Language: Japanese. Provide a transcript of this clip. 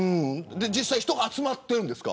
実際、人が集まっているんですか。